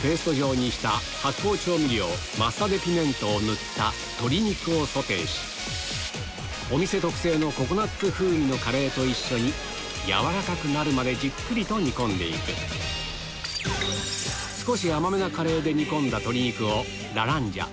オーダーマッサ・デ・ピメントを塗った鶏肉をソテーしお店特製のココナツ風味のカレーと一緒に軟らかくなるまでじっくりと煮込んで行く少し甘めなカレーで煮込んだ鶏肉をラランジャ